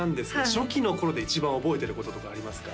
初期の頃で一番覚えてることとかありますか？